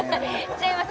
違います